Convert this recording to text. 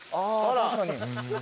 ・確かに。